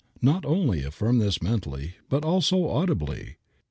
Not only affirm this mentally, but also audibly.